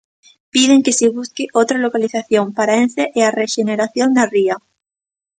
Piden que se busque outra localización para Ence e a rexeneración da ría.